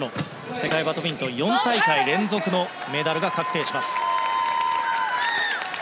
世界バドミントン４大会連続のメダルが確定します。